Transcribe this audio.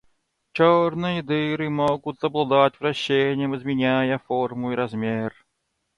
Черные дыры могут обладать вращением, изменяя форму и размер.